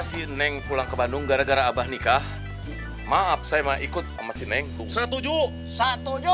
sineng pulang ke bandung gara gara abah nikah maaf saya ikut mesin engkau setuju tujuh belas bisa